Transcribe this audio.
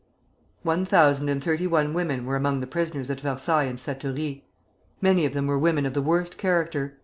One thousand and thirty one women were among the prisoners at Versailles and Satory. Many of them were women of the worst character.